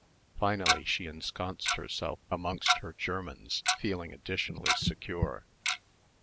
Finally she ensconced herself amongst her Germans, feeling additionally secure....